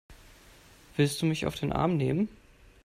Willst du mich auf den Arm nehmen?